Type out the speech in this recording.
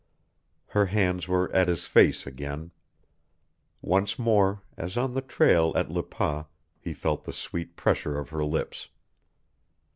Her hands were at his face again. Once more, as on the trail at Le Pas, he felt the sweet pressure of her lips.